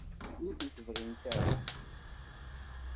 Ur tent-bɣint ara?